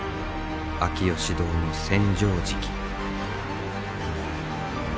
秋芳洞の千畳敷。